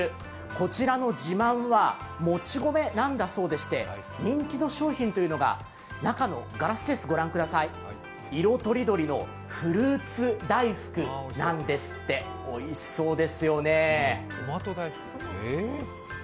こちらの自慢はもち米なんだそうでして人気の商品というのが中のガラスケースご覧ください、色とりどりのフルーツ大福なんですって、おいしそうですよね。